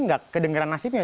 gak kedengeran nasibnya